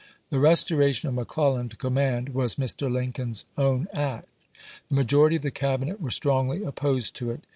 The restoration of McClellan to command was Mr. Lincoln's own act. The majority of the Cabi net were strongly opposed to it.